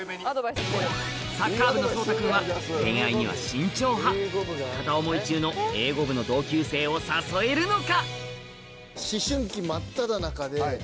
サッカー部の蒼大君は恋愛には慎重派片思い中の英語部の同級生を誘えるのか？